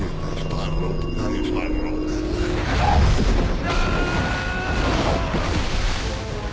うわ！